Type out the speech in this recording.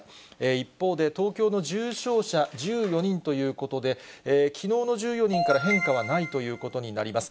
一方で東京の重症者１４人ということで、きのうの１４人から変化はないということになります。